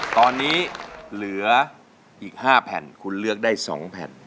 ตอนนี้เหลืออีก๕แผ่นคุณเลือกได้๒แผ่น